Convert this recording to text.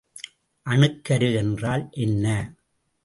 அணுக்கரு என்றால் என்ன?